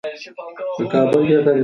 تکراري جملې او خبرې د ذهن اراموي.